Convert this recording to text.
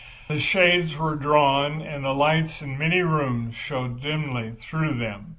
The shades were drawn, and the lights in many rooms shone dimly through them.